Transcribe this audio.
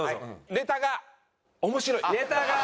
「ネタが面白い」。